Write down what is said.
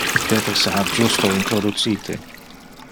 Peter se es justo introducite.